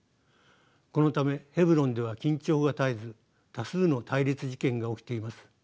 このためヘブロンでは緊張が絶えず多数の対立事件が起きています。